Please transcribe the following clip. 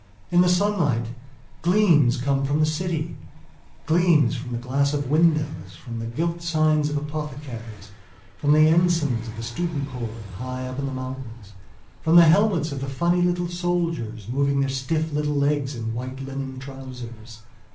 In the sunlight gleams come from the citygleams from the glass of windows; from the gilt signs of apothecaries; from the ensigns of the student corps high up in the mountains; from the helmets of the funny little soldiers moving their stiff little legs in white linen trousers.